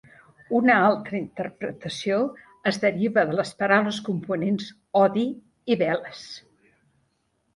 Una altra interpretació es deriva de les paraules components: "odi" i "velas".